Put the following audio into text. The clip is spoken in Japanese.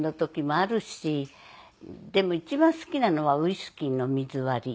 でも一番好きなのはウイスキーの水割り。